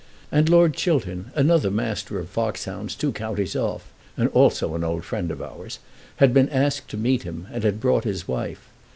And Lord Chiltern, another master of fox hounds, two counties off, and also an old friend of ours, had been asked to meet him, and had brought his wife.